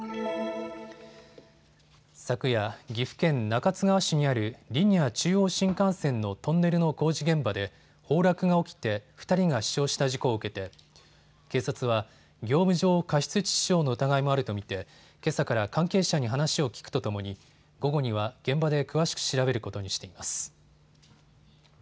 昨夜、岐阜県中津川市にあるリニア中央新幹線のトンネルの工事現場で崩落が起きて２人が死傷した事故を受けて警察は業務上過失致死傷の疑いもあると見てけさから関係者に話を聞くとともに午後には現場で詳しく調べることにしています。